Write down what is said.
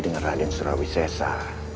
dengan raden surawi sesa